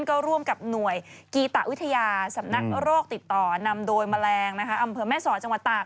ก็ร่วมกับหน่วยกีตะวิทยาสำนักโรคติดต่อนำโดยแมลงอำเภอแม่สอดจังหวัดตาก